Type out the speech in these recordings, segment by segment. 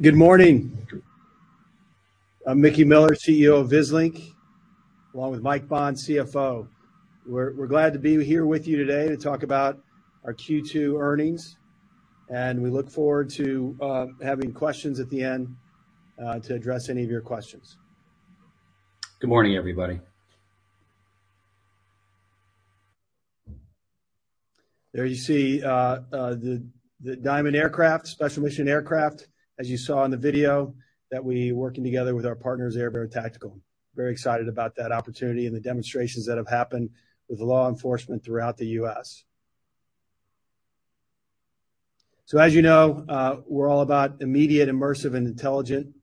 Good morning. I'm Mickey Miller, CEO of Vislink, along with Michael Bond, CFO. We're glad to be here with you today to talk about our Q2 earnings, and we look forward to having questions at the end to address any of your questions. Good morning, everybody. There you see the Diamond Aircraft, special mission aircraft, as you saw in the video that we're working together with our partners, Air Bear Tactical. Very excited about that opportunity and the demonstrations that have happened with law enforcement throughout the U.S. As we're all about immediate, immersive, and intelligent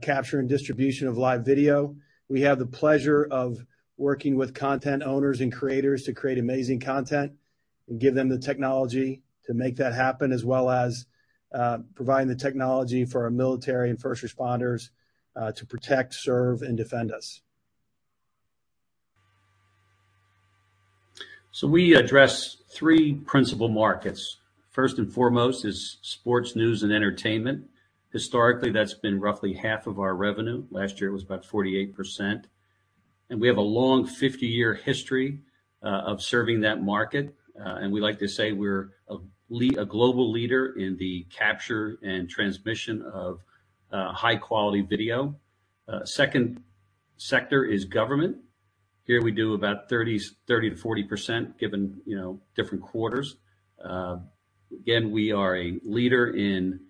capture and distribution of live video. We have the pleasure of working with content owners and creators to create amazing content and give them the technology to make that happen, as well as providing the technology for our military and first responders to protect, serve, and defend us. We address three principal markets. First and foremost is sports, news, and entertainment. Historically, that's been roughly half of our revenue. Last year was about 48%. We have a long 50-year history of serving that market. We like to say we're a global leader in the capture and transmission of high-quality video. Second sector is government. Here we do about 30 to 40%, given different quarters. Again, we are a leader in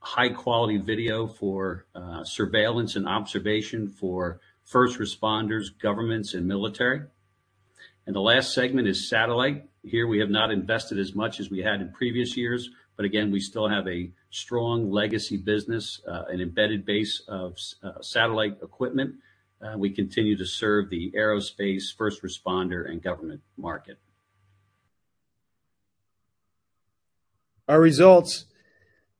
high-quality video for surveillance and observation for first responders, governments, and military. The last segment is satellite. Here we have not invested as much as we had in previous years, but again, we still have a strong legacy business, an embedded base of satellite equipment. We continue to serve the aerospace, first responder, and government market. Our results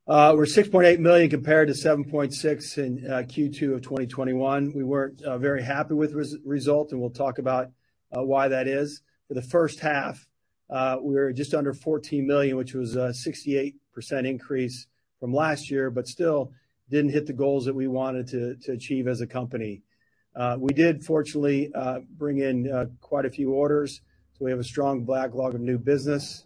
were $6.8 million compared to $7.6 million in Q2 of 2021. We weren't very happy with result, and we'll talk about why that is. For the first half, we were just under $14 million, which was a 68% increase from last year, but still didn't hit the goals that we wanted to achieve as a company. We did fortunately bring in quite a few orders, we have a strong backlog of new business.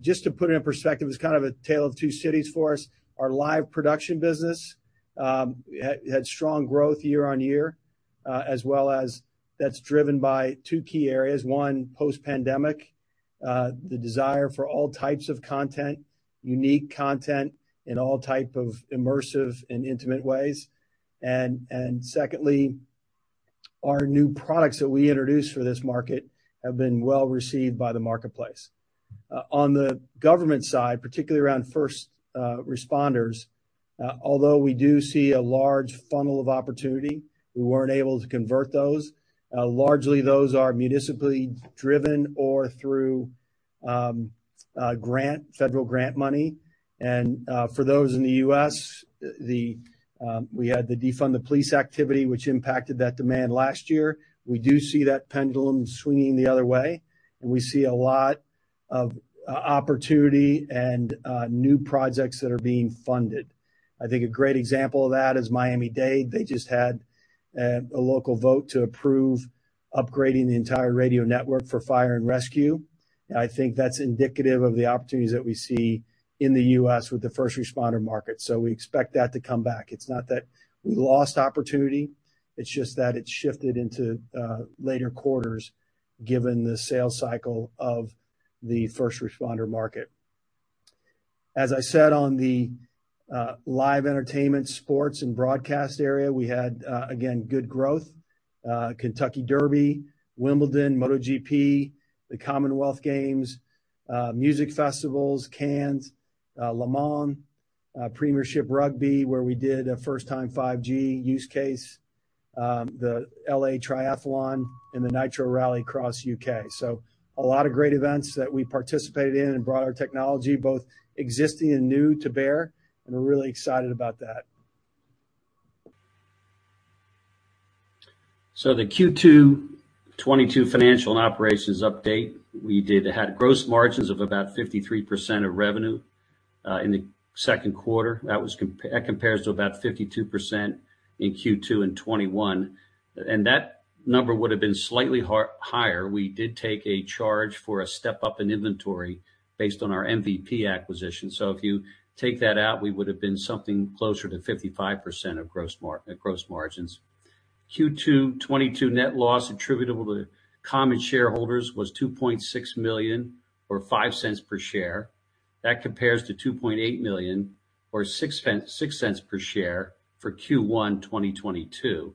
Just to put it in perspective, it's kind of a tale of two cities for us. Our live production business had strong growth year-on-year, as well as that's driven by two key areas. One, post-pandemic, the desire for all types of content, unique content in all type of immersive and intimate ways. Secondly, our new products that we introduced for this market have been well received by the marketplace. On the government side, particularly around first responders, although we do see a large funnel of opportunity, we weren't able to convert those. Largely those are municipally driven or through federal grant money. For those in the US, we had the Defund the Police activity which impacted that demand last year. We do see that pendulum swinging the other way, and we see a lot of opportunity and new projects that are being funded. I think a great example of that is Miami-Dade. They just had a local vote to approve upgrading the entire radio network for fire and rescue. I think that's indicative of the opportunities that we see in the US with the first responder market. We expect that to come back. It's not that we lost opportunity, it's just that it shifted into later quarters given the sales cycle of the first responder market. As I said on the live entertainment, sports, and broadcast area, we had again good growth. Kentucky Derby, Wimbledon, MotoGP, the Commonwealth Games, music festivals, Cannes, Le Mans, Premiership Rugby, where we did a first-time 5G use case, the LA Triathlon, and the Nitro Rallycross UK. A lot of great events that we participated in and brought our technology, both existing and new, to bear, and we're really excited about that. The Q2 2022 financial and operations update, we did have gross margins of about 53% of revenue in the second quarter. That compares to about 52% in Q2 2021. That number would have been slightly higher. We did take a charge for a step-up in inventory based on our MVP acquisition. If you take that out, we would have been something closer to 55% of gross margins. Q2 2022 net loss attributable to common shareholders was $2.6 million or $0.05 per share. That compares to $2.8 million or $0.06 per share for Q1 2022,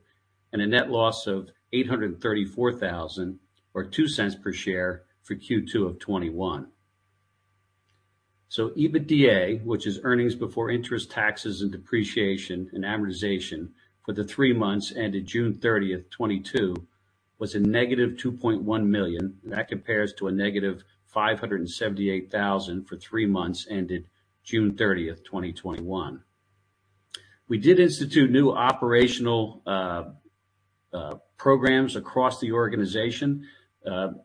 and a net loss of $834,000 or $0.02 per share for Q2 2021. EBITDA, which is earnings before interest, taxes, and depreciation and amortization, for the 3 months ended 30 June 2022, was a negative $2.1 million. That compares to a negative $578 thousand for three months ended 30 June 2021. We did institute new operational programs across the organization.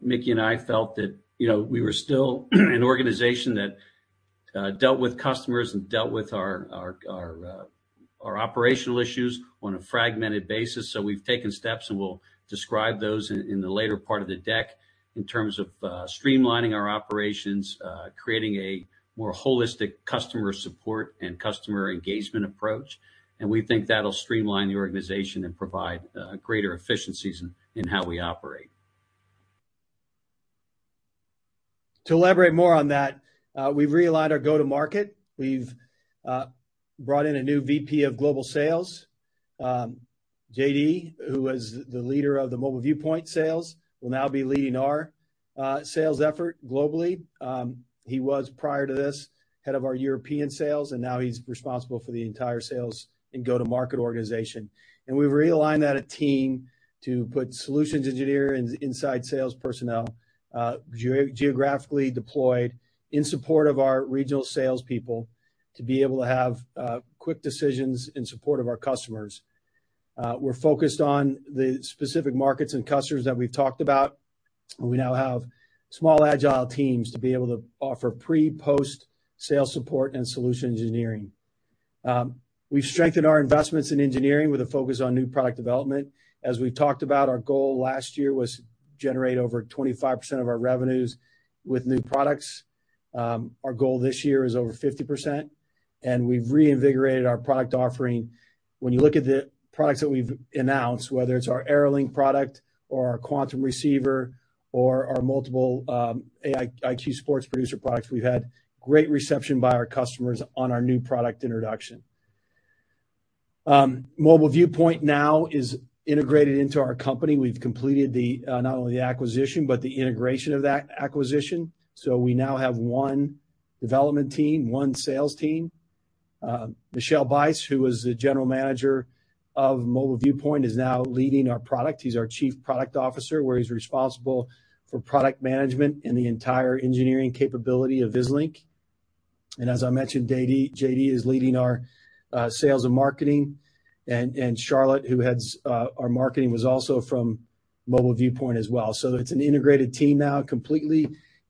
Mickey and I felt that, we were still an organization that dealt with customers and dealt with our operational issues on a fragmented basis. We've taken steps, and we'll describe those in the later part of the deck in terms of streamlining our operations, creating a more holistic customer support and customer engagement approach. We think that'll streamline the organization and provide greater efficiencies in how we operate. To elaborate more on that, we've realigned our go-to-market. We've brought in a new VP of global sales. JD, who was the leader of the Mobile Viewpoint sales, will now be leading our sales effort globally. He was, prior to this, head of our European sales, and now he's responsible for the entire sales and go-to-market organization. We've realigned that team to put solutions engineering inside sales personnel, geographically deployed in support of our regional salespeople to be able to have quick decisions in support of our customers. We're focused on the specific markets and customers that we've talked about. We now have small, agile teams to be able to offer pre/post-sales support and solution engineering. We've strengthened our investments in engineering with a focus on new product development. As we've talked about, our goal last year was to generate over 25% of our revenues with new products. Our goal this year is over 50%, and we've reinvigorated our product offering. When you look at the products that we've announced, whether it's our AeroLink product or our Quantum receiver or our multiple IQ Sports Producer products, we've had great reception by our customers on our new product introduction. Mobile Viewpoint now is integrated into our company. We've completed not only the acquisition, but the integration of that acquisition. We now have one development team, one sales team. Michel Bais, who was the general manager of Mobile Viewpoint, is now leading our product. He's our Chief Product Officer, who's responsible for product management and the entire engineering capability of Vislink. As I mentioned, JD is leading our sales and marketing. And Charlotte, who heads our marketing, was also from Mobile Viewpoint as well. It's an integrated team now completely,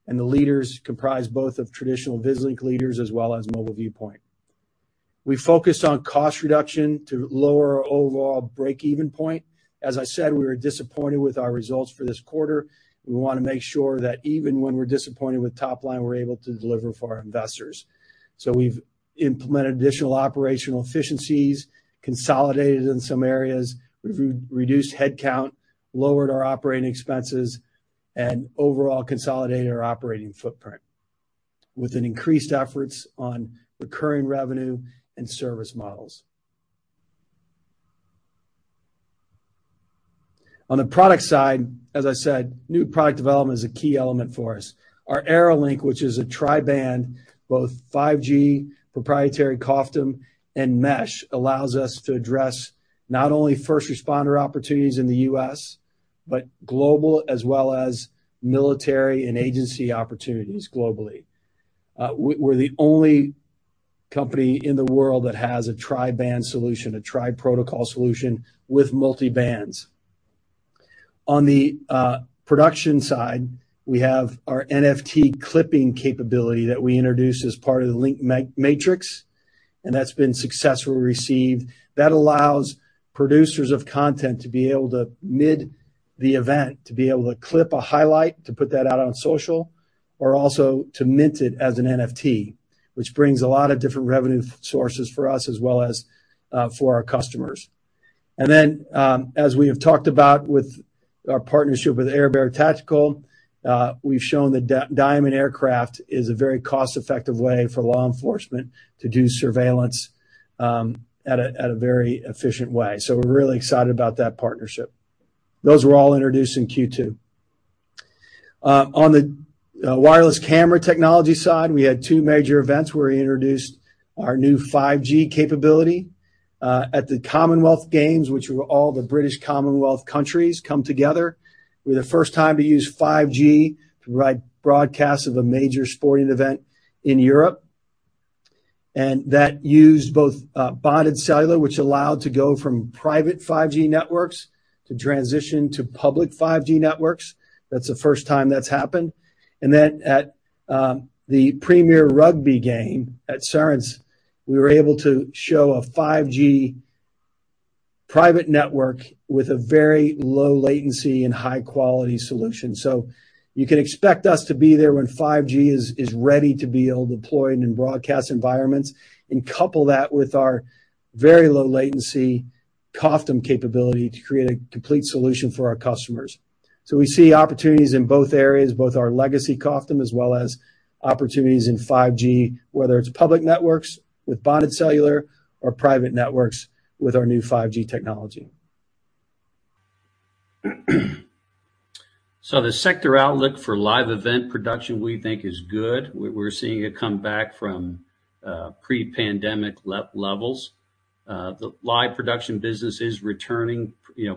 and the leaders comprise both of traditional Vislink leaders as well as Mobile Viewpoint. We focused on cost reduction to lower our overall break-even point. As I said, we were disappointed with our results for this quarter. We wanna make sure that even when we're disappointed with top line, we're able to deliver for our investors. We've implemented additional operational efficiencies, consolidated in some areas. We've re-reduced headcount, lowered our operating expenses, and overall consolidated our operating footprint with an increased efforts on recurring revenue and service models. On the product side, as I said, new product development is a key element for us. Our AeroLink, which is a tri-band, both 5G, proprietary COFDM, and mesh, allows us to address not only first responder opportunities in the U.S., but global as well as military and agency opportunities globally. We're the only company in the world that has a tri-band solution, a tri-protocol solution with multi-bands. On the production side, we have our NFT clipping capability that we introduced as part of the LinkMatrix, and that's been successfully received. That allows producers of content to be able to mid the event, to be able to clip a highlight to put that out on social or also to mint it as an NFT, which brings a lot of different revenue sources for us as well as for our customers. As we have talked about with our partnership with Air Bear Tactical, we've shown that Diamond Aircraft is a very cost-effective way for law enforcement to do surveillance at a very efficient way. We're really excited about that partnership. Those were all introduced in Q2. On the wireless camera technology side, we had two major events where we introduced our new 5G capability at the Commonwealth Games, which were all the British Commonwealth countries come together. We're the first time to use 5G to provide broadcast of a major sporting event in Europe. That used both bonded cellular, which allowed to go from private 5G networks to transition to public 5G networks. That's the first time that's happened. At the Premiership Rugby game at Saracens, we were able to show a 5G private network with a very low latency and high-quality solution. You can expect us to be there when 5G ready to be deployed in broadcast environments and couple that with our very low latency COFDM capability to create a complete solution for our customers. We see opportunities in both areas, both our legacy COFDM as well as opportunities in 5G, whether it's public networks with bonded cellular or private networks with our new 5G technology. The sector outlook for live event production we think is good. We're seeing it come back from pre-pandemic levels. The live production business is returning,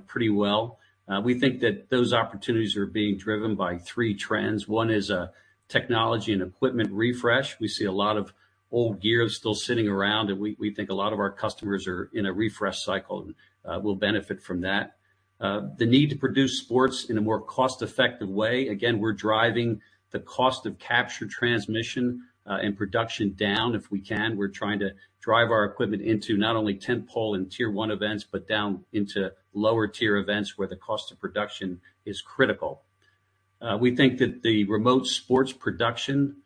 pretty well. We think that those opportunities are being driven by three trends. One is a technology and equipment refresh. We see a lot of old gear still sitting around, and we think a lot of our customers are in a refresh cycle, will benefit from that. The need to produce sports in a more cost-effective way. Again, we're driving the cost of capture transmission and production down if we can. We're trying to drive our equipment into not only tent-pole and tier one events, but down into lower tier events where the cost of production is critical. We think that the remote sports production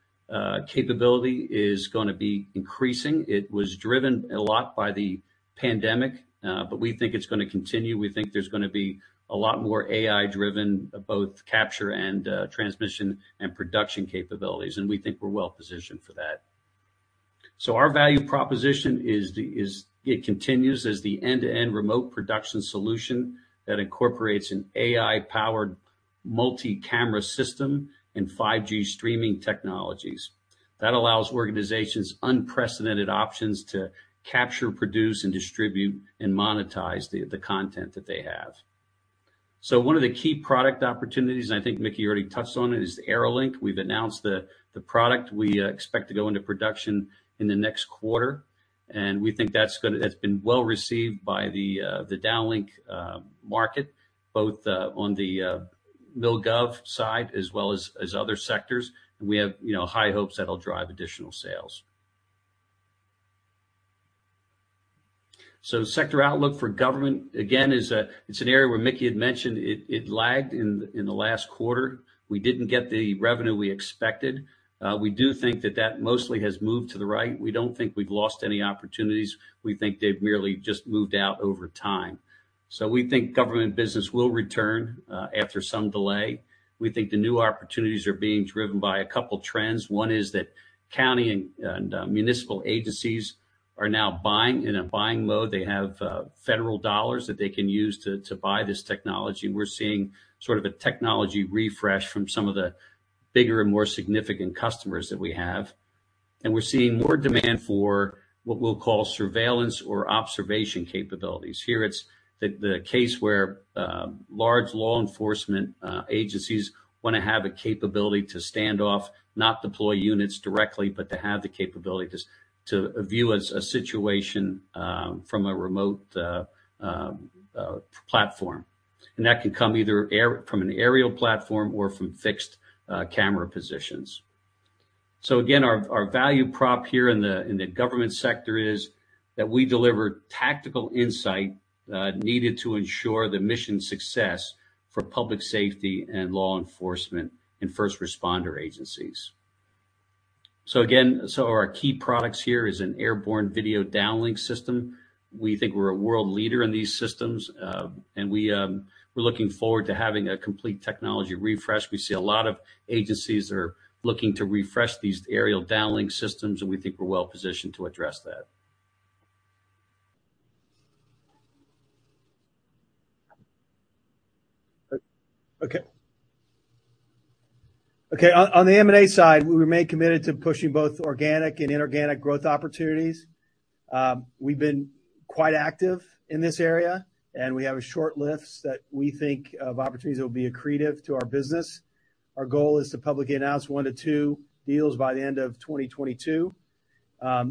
capability is gonna be increasing. It was driven a lot by the pandemic, but we think it's gonna continue. We think there's gonna be a lot more AI-driven, both capture and transmission and production capabilities, and we think we're well-positioned for that. Our value proposition is it continues as the end-to-end remote production solution that incorporates an AI-powered multi-camera system and 5G streaming technologies. That allows organizations unprecedented options to capture, produce, and distribute and monetize the content that they have. One of the key product opportunities, and I think Mickey already touched on it, is AeroLink. We've announced the product we expect to go into production in the next quarter, and we think that's has been well-received by the downlink market, both on the Military/Government side as well as other sectors. We have, high hopes that'll drive additional sales. Sector outlook for government, again, is it's an area where Mickey had mentioned it lagged in the last quarter. We didn't get the revenue we expected. We do think that that mostly has moved to the right. We don't think we've lost any opportunities. We think they've merely just moved out over time. We think government business will return after some delay. We think the new opportunities are being driven by a couple trends. One is that county and municipal agencies are now buying in a buying mode. They have federal dollars that they can use to buy this technology. We're seeing sort of a technology refresh from some of the bigger and more significant customers that we have. We're seeing more demand for what we'll call surveillance or observation capabilities. Here it's the case where large law enforcement agencies wanna have a capability to stand off, not deploy units directly, but to have the capability to view a situation from a remote platform. That can come either from an aerial platform or from fixed camera positions. Our value prop here in the government sector is that we deliver tactical insight needed to ensure the mission success for public safety and law enforcement and first responder agencies. Our key products here is an airborne video downlink system. We think we're a world leader in these systems. We're looking forward to having a complete technology refresh. We see a lot of agencies are looking to refresh these aerial downlink systems, and we think we're well-positioned to address that. Okay, on the M&A side, we remain committed to pushing both organic and inorganic growth opportunities. We've been quite active in this area, and we have a short list that we think of opportunities that will be accretive to our business. Our goal is to publicly announce one to two deals by the end of 2022.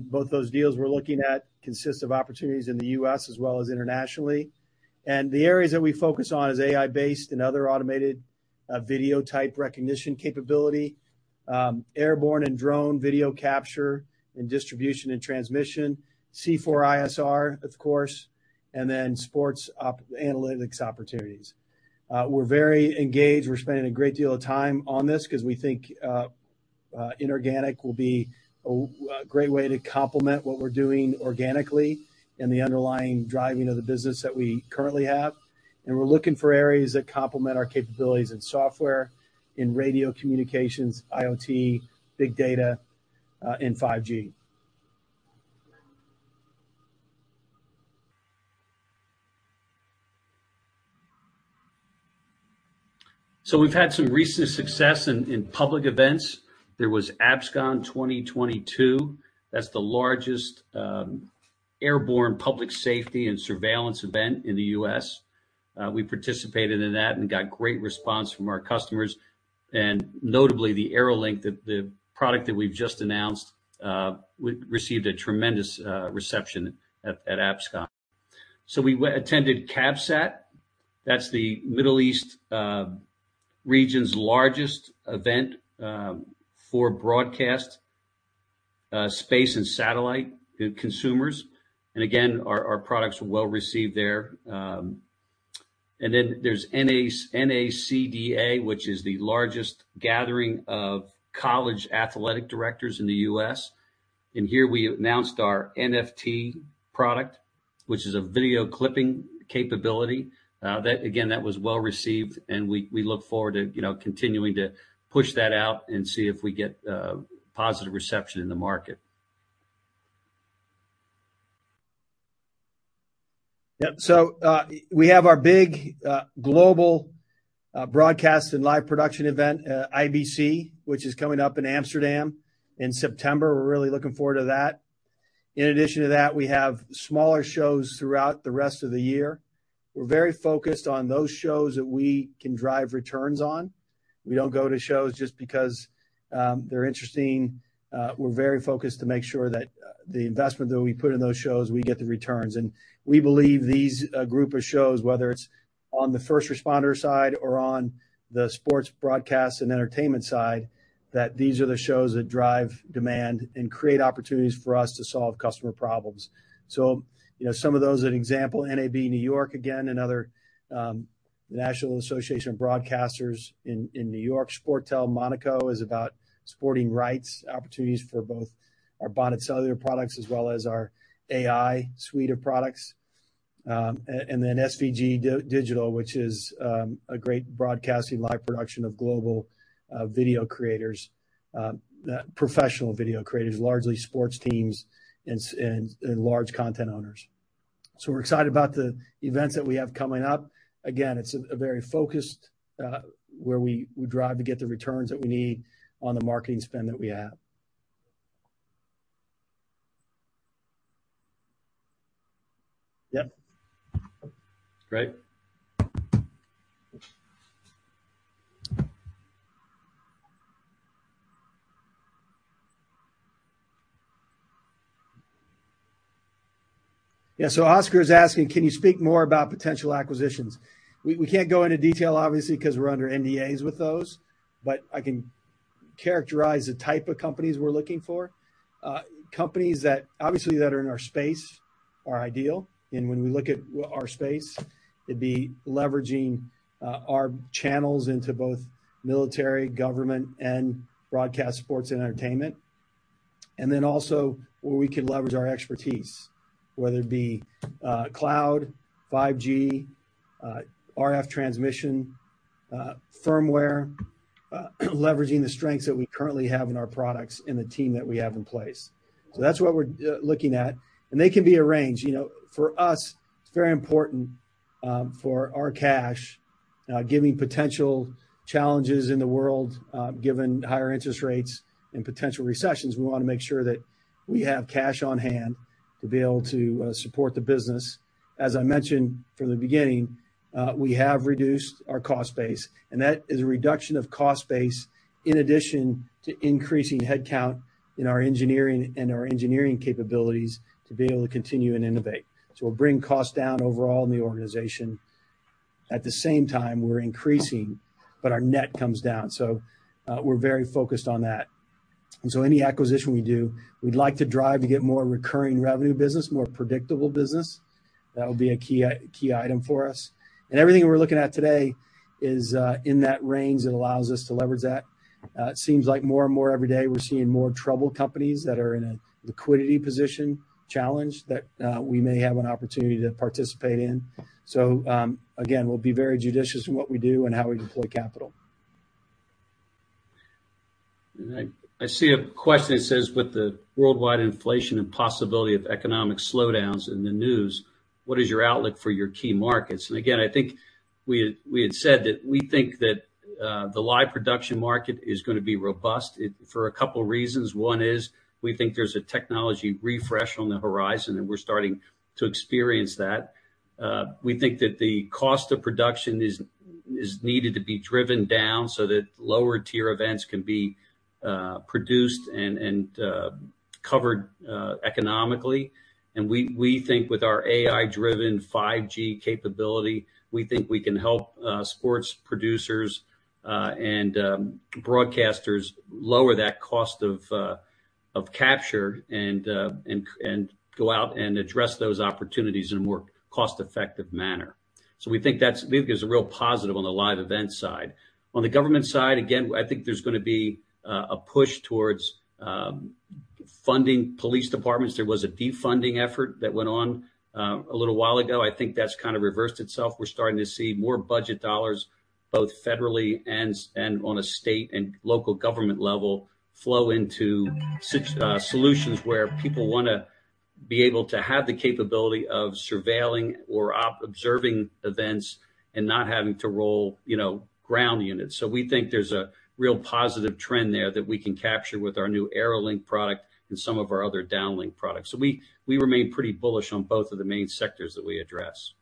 Both those deals we're looking at consist of opportunities in the U.S. as well as internationally. The areas that we focus on is AI-based and other automated, video type recognition capability. Airborne and drone video capture and distribution and transmission. C4ISR, of course, and then sports analytics opportunities. We're very engaged. We're spending a great deal of time on this because we think inorganic will be a great way to complement what we're doing organically in the underlying driving of the business that we currently have. We're looking for areas that complement our capabilities in software, in radio communications, IoT, big data, and 5G. We've had some recent success in public events. There was APSCON 2022. That's the largest airborne public safety and surveillance event in the U.S. We participated in that and got great response from our customers. Notably, the AeroLink, the product that we've just announced, received a tremendous reception at APSCON. We attended CABSAT. That's the Middle East region's largest event for broadcast space and satellite consumers. Our products were well-received there. There's NACDA, which is the largest gathering of college athletic directors in the U.S. Here we announced our NFT product, which is a video clipping capability. That again, that was well-received, and we look forward to, continuing to push that out and see if we get positive reception in the market. We have our big, global, broadcast and live production event, IBC, which is coming up in Amsterdam in September. We're really looking forward to that. In addition to that, we have smaller shows throughout the rest of the year. We're very focused on those shows that we can drive returns on. We don't go to shows just because they're interesting. We're very focused to make sure that the investment that we put in those shows, we get the returns. We believe these group of shows, whether it's on the first responder side or on the sports broadcast and entertainment side, that these are the shows that drive demand and create opportunities for us to solve customer problems. Some of those, an example, NAB New York. Again, another National Association of Broadcasters in New York. Sportel Monaco is about sporting rights, opportunities for both our bonded cellular products as well as our AI suite of products. And then SVG Digital, which is a great broadcasting live production of global video creators, professional video creators, largely sports teams and large content owners. We're excited about the events that we have coming up. Again, it's a very focused where we drive to get the returns that we need on the marketing spend that we have. Great. Oscar is asking, "Can you speak more about potential acquisitions?" We can't go into detail obviously, 'cause we're under NDAs with those, but I can characterize the type of companies we're looking for. Companies that, obviously, that are in our space are ideal. When we look at our space, it'd be leveraging our channels into both military, government, and broadcast sports and entertainment. Also where we can leverage our expertise, whether it be cloud, 5G, RF transmission, firmware, leveraging the strengths that we currently have in our products and the team that we have in place. That's what we're looking at, and they can be a range. For us, it's very important, for our cash, given potential challenges in the world, given higher interest rates and potential recessions, we wanna make sure that we have cash on-hand to be able to support the business. As I mentioned from the beginning, we have reduced our cost base, and that is a reduction of cost base in addition to increasing headcount in our engineering capabilities to be able to continue and innovate. We're bringing costs down overall in the organization. At the same time, we're increasing, but our net comes down. We're very focused on that. Any acquisition we do, we'd like to drive to get more recurring revenue business, more predictable business. That would be a key item for us. Everything we're looking at today is in that range that allows us to leverage that. It seems like more and more every day we're seeing more troubled companies that are in a liquidity position challenge that we may have an opportunity to participate in. Again, we'll be very judicious in what we do and how we deploy capital. I see a question that says, "With the worldwide inflation and possibility of economic slowdowns in the news, what is your outlook for your key markets?" Again, I think we had said that we think that the live production market is gonna be robust for a couple reasons. One is we think there's a technology refresh on the horizon, and we're starting to experience that. We think that the cost of production is needed to be driven down that lower tier events can be produced and covered economically. We think with our AI-driven 5G capability, we think we can help sports producers and broadcasters lower that cost of capture and go out and address those opportunities in a more cost-effective manner. We think it's a real positive on the live event side. On the government side, again, I think there's gonna be a push towards funding police departments. There was a defunding effort that went on a little while ago. I think that's kind of reversed itself. We're starting to see more budget dollars, both federally and on a state and local government level, flow into solutions where people wanna be able to have the capability of surveilling or observing events and not having to roll, ground units. We think there's a real positive trend there that we can capture with our new AeroLink product and some of our other downlink products. We remain pretty bullish on both of the main sectors that we address.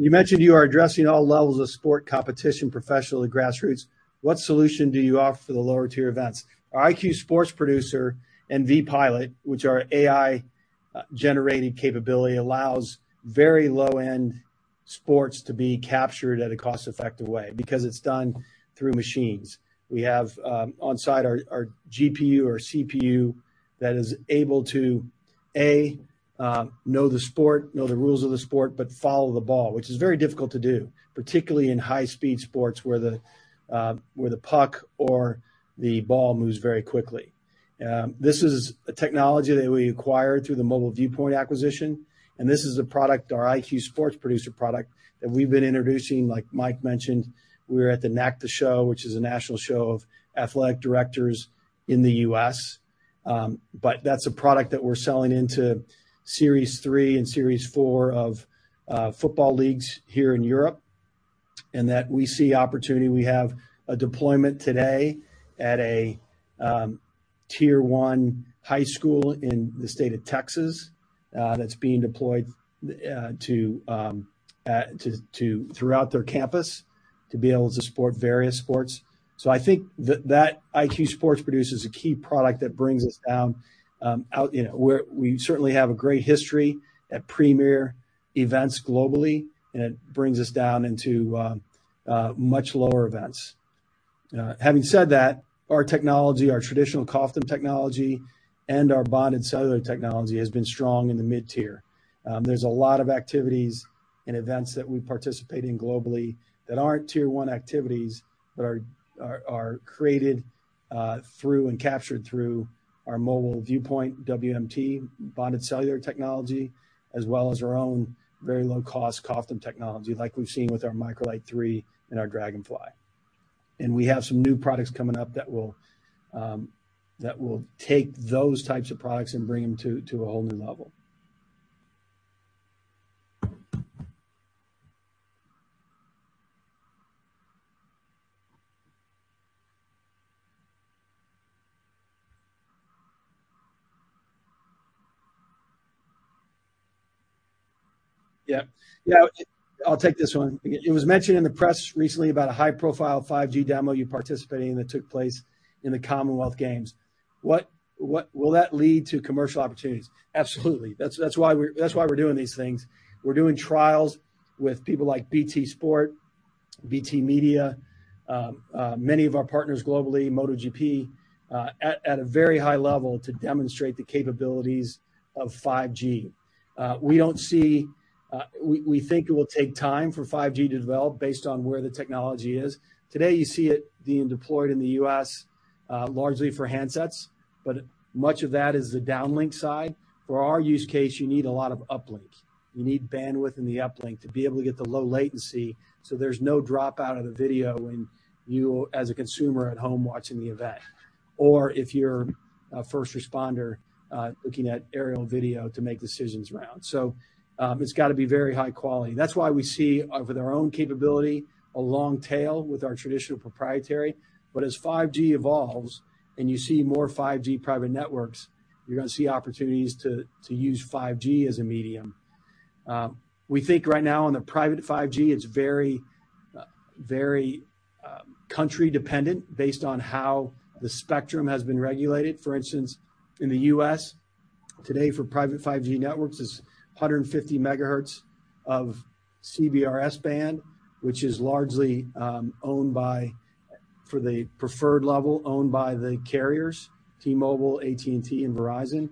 You mentioned you are addressing all levels of sport competition, professional to grassroots. What solution do you offer for the lower tier events? Our IQ Sports Producer and vPilot, which are AI generated capability, allows very low-end sports to be captured at a cost-effective way because it's done through machines. We have inside our GPU or CPU that is able to know the sport, know the rules of the sport, but follow the ball, which is very difficult to do, particularly in high-speed sports where the puck or the ball moves very quickly. This is a technology that we acquired through the Mobile Viewpoint acquisition, and this is a product, our IQ Sports Producer product, that we've been introducing, like Mike mentioned. We were at the NACDA show, which is a national show of athletic directors in the U.S. That's a product that we're selling into Series 3 and Series 4 of football leagues here in Europe. That we see opportunity. We have a deployment today at a tier one high school in the state of Texas that's being deployed to throughout their campus to be able to support various sports. I think that IQ Sports Producer is a key product that brings us down, we certainly have a great history at premier events globally, and it brings us down into much lower events. Having said that, our technology, our traditional COFDM technology, and our bonded cellular technology has been strong in the mid-tier. There's a lot of activities and events that we participate in globally that aren't tier one activities, but are created through and captured through our Mobile Viewpoint WMT bonded cellular technology, as well as our own very low-cost COFDM technology, like we've seen with our MicroLite 3 and our DragonFly. We have some new products coming up that will take those types of products and bring them to a whole new level. I'll take this one. It was mentioned in the press recently about a high-profile 5G demo you participated in that took place in the Commonwealth Games. What will that lead to commercial opportunities? Absolutely. That's why we're doing these things. We're doing trials with people like BT Sport, BT Media, many of our partners globally, MotoGP, at a very high level to demonstrate the capabilities of 5G. We think it will take time for 5G to develop based on where the technology is. Today, you see it being deployed in the U.S., largely for handsets, but much of that is the downlink side. For our use case, you need a lot of uplinks. You need bandwidth in the uplink to be able to get the low latency, there's no drop out of the video when you as a consumer at home watching the event. If you're a first responder, looking at aerial video to make decisions around. It's got to be very high quality. That's why we see with our own capability, a long tail with our traditional proprietary. As 5G evolves and you see more 5G private networks, you're gonna see opportunities to use 5G as a medium. We think right now in the private 5G, it's very country dependent based on how the spectrum has been regulated. For instance, in the U.S. today for private 5G networks is 150 megahertz of CBRS band, which is largely owned by, for the preferred level, owned by the carriers, T-Mobile, AT&T and Verizon.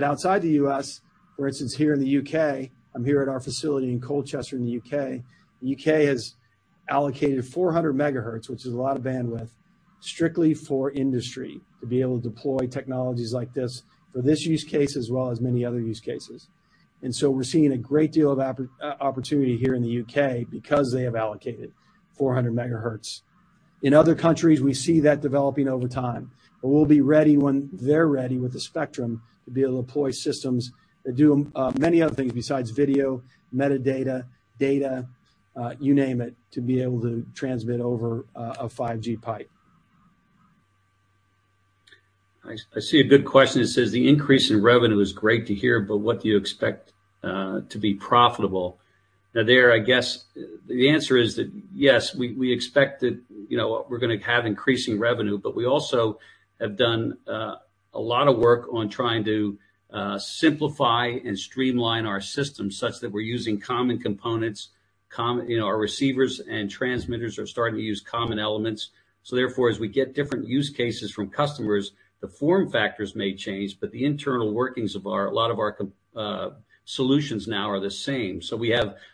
Outside the U.S., for instance, here in the U.K., I'm here at our facility in Colchester in the U.K. UK has allocated 400 MHz, which is a lot of bandwidth, strictly for industry to be able to deploy technologies like this for this use case as well as many other use cases. We're seeing a great deal of opportunity here in the UK because they have allocated 400 MHz. In other countries, we see that developing over time, but we'll be ready when they're ready with the spectrum to be able to deploy systems that do many other things besides video, metadata, data, you name it, to be able to transmit over a 5G pipe. I see a good question. It says, "The increase in revenue is great to hear, but what do you expect to be profitable?" Now, I guess the answer is that, yes, we expect that, we're gonna have increasing revenue, but we also have done a lot of work on trying to simplify and streamline our system such that we're using common components. Our receivers and transmitters are starting to use common elements. Therefore, as we get different use cases from customers, the form factors may change, but the internal workings of our, a lot of our solutions now are the same.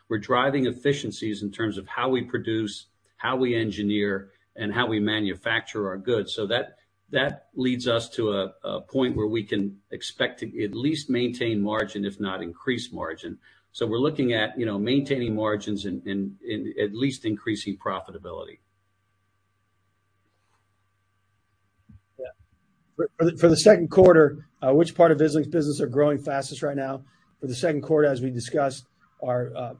We're driving efficiencies in terms of how we produce, how we engineer, and how we manufacture our goods. That leads us to a point where we can expect to at least maintain margin, if not increase margin. We're looking at, maintaining margins and at least increasing profitability. For the second quarter, which part of business are growing fastest right now? For the second quarter, as we discussed, our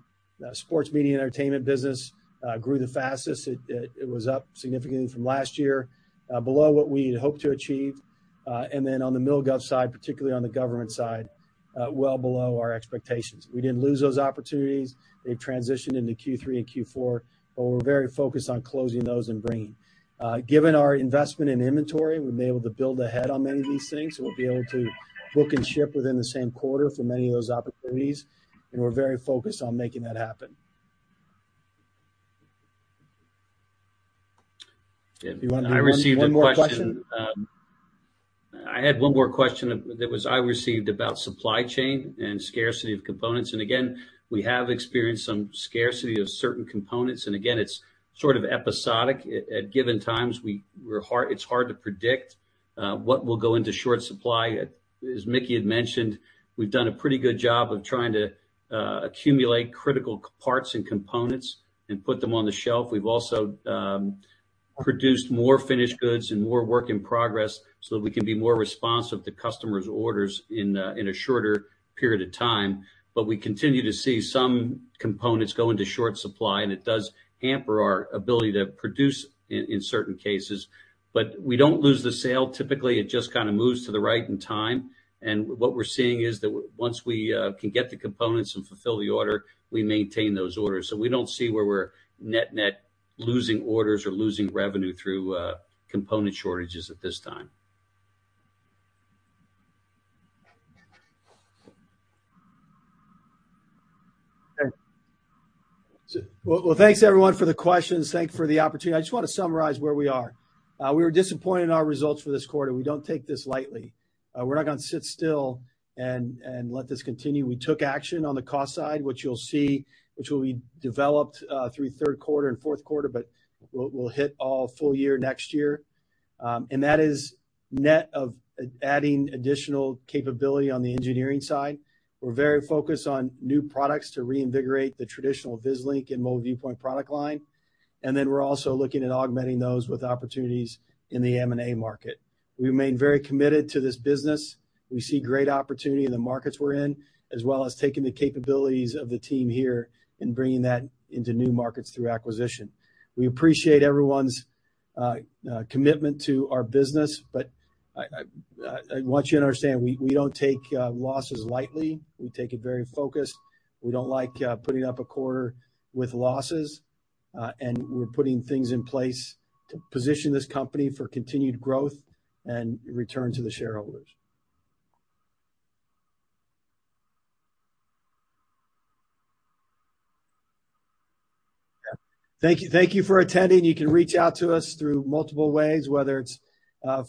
sports media and entertainment business grew the fastest. It was up significantly from last year. Below what we had hoped to achieve. On the Military/Government side, particularly on the government side, well below our expectations. We didn't lose those opportunities. They transitioned into Q3 and Q4, but we're very focused on closing those and bringing. Given our investment in inventory, we've been able to build ahead on many of these things, we'll be able to book and ship within the same quarter for many of those opportunities, and we're very focused on making that happen. You want one more question? I received a question. I had one more question that I received about supply chain and scarcity of components. We have experienced some scarcity of certain components. Again, it's sort of episodic. At given times, it's hard to predict what will go into short supply. As Mickey had mentioned, we've done a pretty good job of trying to accumulate critical parts and components and put them on the shelf. We've also produced more finished goods and more work in progress, that we can be more responsive to customers' orders in a shorter period of time. We continue to see some components go into short supply, and it does hamper our ability to produce in certain cases. We don't lose the sale. Typically, it just kind of moves to the right in time. What we're seeing is that once we can get the components and fulfill the order, we maintain those orders. We don't see where we're net-net losing orders or losing revenue through component shortages at this time. Okay. Well, thanks everyone for the questions. Thank you for the opportunity. I just want to summarize where we are. We were disappointed in our results for this quarter. We don't take this lightly. We're not gonna sit still and let this continue. We took action on the cost side, which you'll see, which will be developed through third quarter and fourth quarter, but we'll hit all full year next year. That is net of adding additional capability on the engineering side. We're very focused on new products to reinvigorate the traditional Vislink and Mobile Viewpoint product line. We're also looking at augmenting those with opportunities in the M&A market. We remain very committed to this business. We see great opportunity in the markets we're in, as well as taking the capabilities of the team here and bringing that into new markets through acquisition. We appreciate everyone's commitment to our business, but I want you to understand, we don't take losses lightly. We take it very focused. We don't like putting up a quarter with losses, and we're putting things in place to position this company for continued growth and return to the shareholders. Thank you, thank you for attending. You can reach out to us through multiple ways, whether it's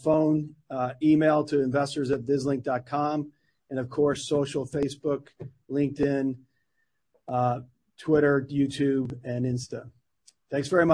phone, email to investors@vislink.com, and of course, social Facebook, LinkedIn, Twitter, YouTube, and Insta. Thanks very much.